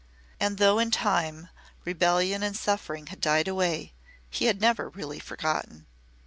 And though, in time, rebellion and suffering had died away, he had never really forgotten.